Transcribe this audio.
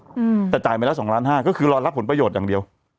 อืมแต่จ่ายไปแล้วสองล้านห้าก็คือรอรับผลประโยชน์อย่างเดียว